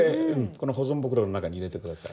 この保存袋の中に入れて下さい。